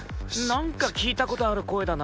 何か聞いたことある声だな。